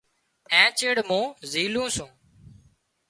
اين چيڙ مُون زِيلُون سُون۔